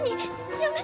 やめ。